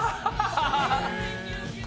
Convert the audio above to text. ハハハッ！